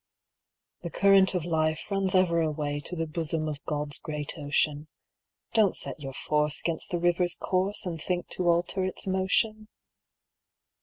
The current of life runs ever away To the bosom of God's great ocean. Don't set your force 'gainst the river's course And think to alter its motion.